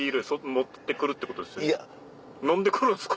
飲んでくるんですか？